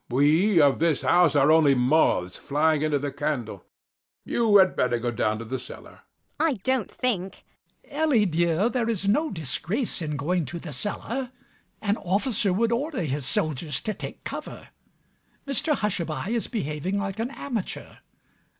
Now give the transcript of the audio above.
We of this house are only moths flying into the candle. You had better go down to the cellar. ELLIE [scornfully]. I don't think. MAZZINI. Ellie, dear, there is no disgrace in going to the cellar. An officer would order his soldiers to take cover. Mr Hushabye is behaving like an amateur.